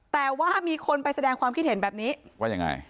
แต่ว่ามีคนไปแสดงความคิดเห็นแบบนี้ว่ายังไง